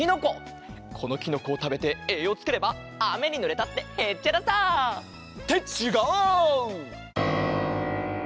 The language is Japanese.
このきのこをたべてえいようつければあめにぬれたってへっちゃらさ！ってちがう！